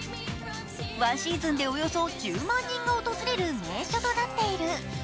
ワンシーズンでおよそ１万人が訪れる名所となっている。